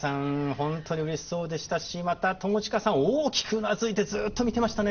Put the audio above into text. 本当にうれしそうでしたしまた友近さん大きくうなずいてずっと見てましたね。